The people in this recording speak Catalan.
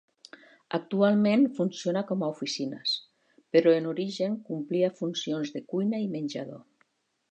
Actualment funciona com a oficines, però en origen complia funcions de cuina i menjador.